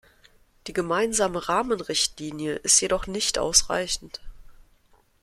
Die gemeinsame Rahmenrichtlinie ist jedoch nicht ausreichend.